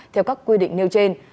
theo các quy định nêu trên